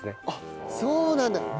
あっそうなんだ。